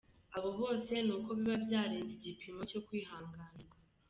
Abo bose ni uko biba byarenze igipimo cyo kwihanganirwa.